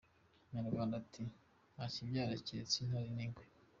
Umunyarwanda ati: "Nta kibyara keretse intare n'ingwe".